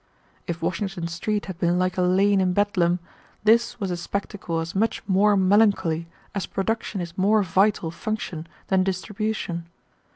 If Washington Street had been like a lane in Bedlam, this was a spectacle as much more melancholy as production is a more vital function than distribution.